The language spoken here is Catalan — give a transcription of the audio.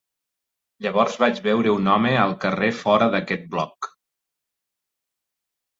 Llavors vaig veure un home al carrer fora d'aquest bloc.